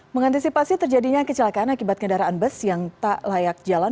mengantisipasi terjadinya kecelakaan akibat kendaraan bus yang tak layak jalan